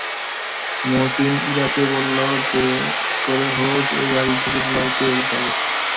মহসিন ইরাকে বলল, যে করে হোক এই বাড়ি থেকে দুলাভাইকে বের করতে হবে।